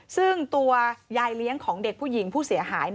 ซึ่งตัวยายเลี้ยงของเด็กผู้หญิงผู้เสียหาย